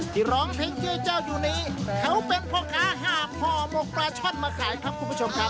ที่ร้องเพลงที่เจ้าอยู่นี้เป็นห่ะพ่อมกปลาช่อนมาขายครับคุณผู้ชมครับ